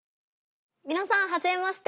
みなさんはじめまして。